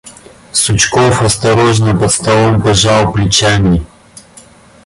Сучков, острожно, под столом, пожал плечами.